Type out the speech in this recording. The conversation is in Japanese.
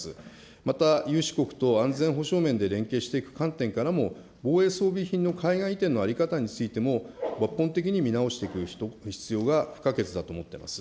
またゆうし国と安全保障面で連携していく観点からも、防衛装備品の海外移転の在り方についても、抜本的に見直していく必要が不可欠だと思っております。